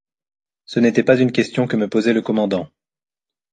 Ce n’était pas une question que me posait le commandant.